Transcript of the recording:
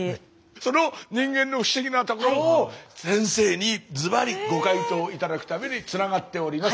その人間の不思議なところを先生にずばりご回答頂くためにつながっております。